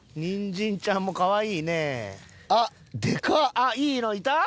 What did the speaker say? あっいいのいた？